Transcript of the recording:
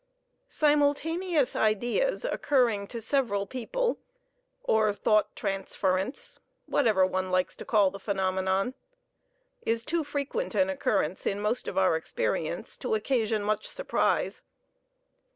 Simultaneous ideas occurring to several people, or thought transference, whatever one likes to call the phenomenon, is too frequent an occurrence in most of our experience to occasion much surprise.